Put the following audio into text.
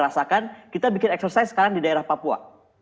rasakan kita bikin exercise sekarang di daerah papua